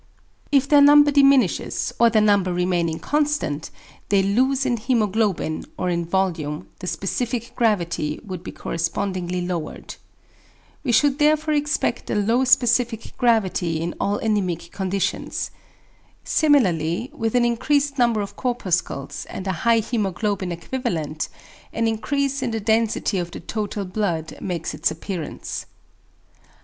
If their number diminishes, or their number remaining constant, they lose in hæmoglobin, or in volume, the specific gravity would be correspondingly lowered. We should therefore expect a low specific gravity in all anæmic conditions. Similarly with an increased number of corpuscles, and a high hæmoglobin equivalent, an increase in the density of the total blood makes its appearance.